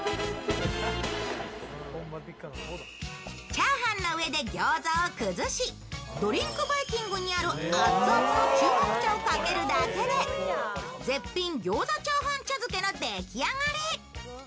チャーハンの上でギョーザを崩しドリンクバイキングにある熱々の中国茶をかけるだけで絶品餃子チャーハン茶漬けの出来上がり。